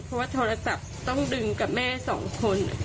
เพราะว่าโทรศัพท์ต้องดึงกับแม่สองคน